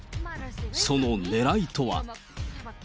そのねらいとは。